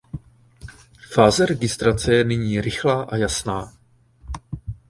Fáze registrace je nyní rychlá a jasná.